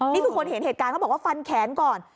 นี่คือคนเห็นเหตุการณ์เขาบอกว่าฟันแขนก่อน